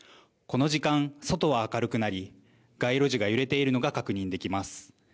この時間、外は明るくなり、街路樹が揺れているのが確認できます。